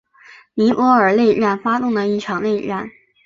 尼泊尔内战发动的一场内战。